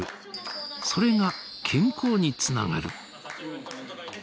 それが健康につながる。